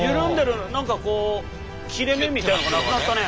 何か切れ目みたいなのがなくなったね。